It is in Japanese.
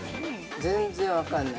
◆全然分からない。